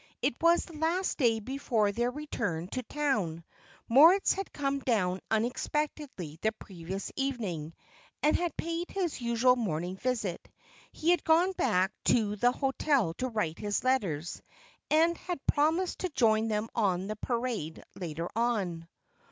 It was the last day before their return to town. Moritz had come down unexpectedly the previous evening, and had paid his usual morning visit; he had gone back to the hotel to write his letters, and had promised to join them on the Parade later on.